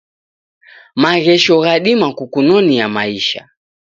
Maghesho ghadima kukunonia maisha